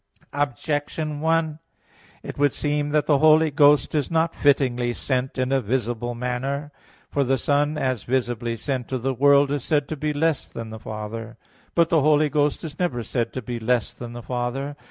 Objection 1: It would seem that the Holy Ghost is not fittingly sent in a visible manner. For the Son as visibly sent to the world is said to be less than the Father. But the Holy Ghost is never said to be less than the Father.